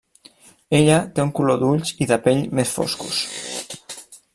Ella té un color d'ulls i de pell més foscos.